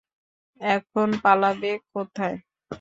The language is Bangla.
এখন পালাবে কোথায়?